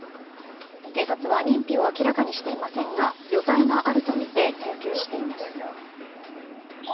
警察は認否を明らかにしていませんが余罪があるとみて追及しています。